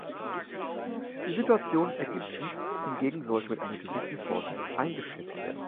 Die Situation Ägyptens hingegen sollte mit einer gewissen Vorsicht eingeschätzt werden.